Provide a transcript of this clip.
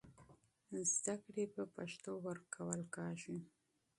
درس په پښتو تدریس کېږي.